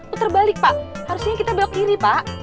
putar balik pak harusnya kita belok kiri pak